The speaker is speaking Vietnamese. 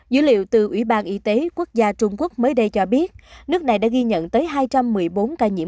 dữ liệu từ ủy ban y tế quốc gia trung quốc mới đây cho biết nước này đã ghi nhận tới hai trăm một mươi bốn ca nhiễm